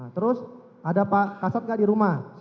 terus ada pak kasut gak di rumah